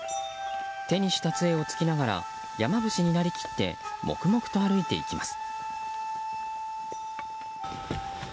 手にした杖をつきながら山伏になりきって黙々と歩いていきます。